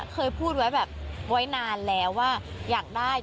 เคยพูดไว้แบบไว้นานแล้วว่าอยากได้